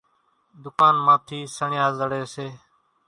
ۮُڪانَ مان ٿِي سڻيا زڙيَ سي۔